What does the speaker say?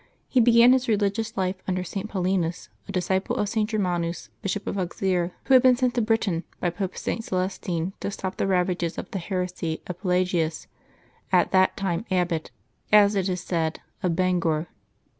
He began his religious life under St. Paulinus, a disciple of St. Germanus, Bishop of Auxerre, who had been sent to Britain by Pope St. Celestine to stop the ravages of the heresy of Pelagius, at that time abbot, as it is said, of Bangor.